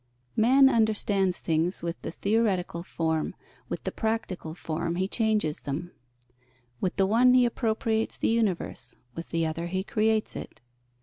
_ Man understands things with the theoretical form, with the practical form he changes them; with the one he appropriates the universe, with the other he creates it.